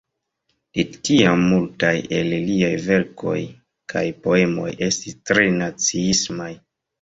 De tiam multaj el liaj verkoj kaj poemoj estis tre naciismaj.